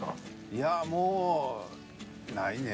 いやもうないね。